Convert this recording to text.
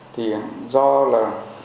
thì do là